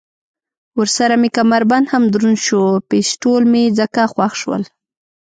ورسره مې کمربند هم دروند شو، پېسټول مې ځکه خوښ شول.